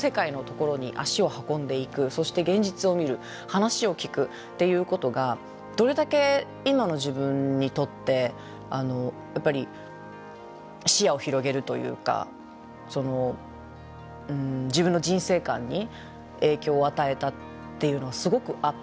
そして現実を見る話を聞くっていうことがどれだけ今の自分にとって視野を広げるというか自分の人生観に影響を与えたっていうのがすごくあって。